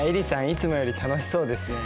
いつもより楽しそうですね。